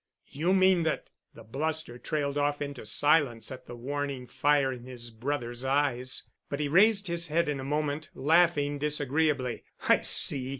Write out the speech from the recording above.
You mean that——" The bluster trailed off into silence at the warning fire in his brother's eyes. But he raised his head in a moment, laughing disagreeably. "I see.